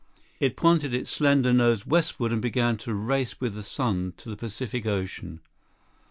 It pointed its slender nose westward, and began a race with the sun to the Pacific Ocean.